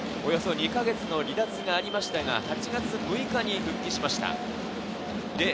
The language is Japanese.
２か月の離脱がありましたが、８月６日に復帰しました。